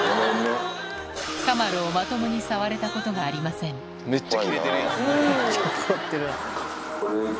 カマロをまともに触れたことがありません怖いんだな。